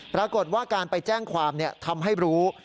ปรากฏว่าการไปแจ้งความทำให้รู้